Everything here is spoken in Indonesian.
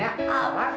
itu bukan lalera